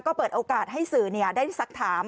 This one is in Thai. ก็เปิดโอกาสให้สื่อได้สักถาม